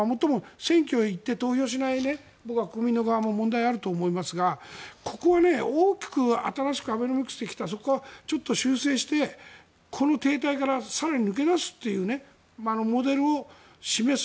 選挙へ行って投票しない国民の側も問題があると思いますがここは大きく新しくアベノミクスで来たそこはちょっと修正してこの停滞から更に抜け出すっていうモデルを示す。